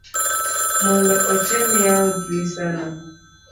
mondo otem yawo drisa no